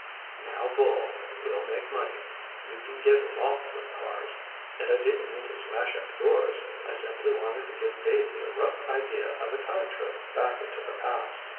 "Now, Bull, we'll make money you can get lots of cars. And I didn't mean to smash up yours. I simply wanted to give Daisy a rough idea of a time trip back into the past.